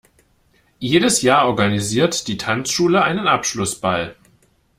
Jedes Jahr organisiert die Tanzschule einen Abschlussball.